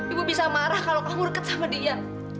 ibu bisa marah kalau kamu deket sama dia